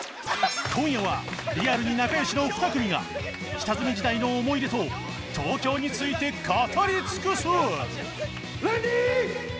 今夜はリアルに仲良しの２組が下積み時代の思い出と東京について語り尽くすレディー。